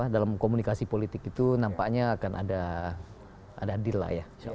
dalam komunikasi politik itu nampaknya akan ada deal lah ya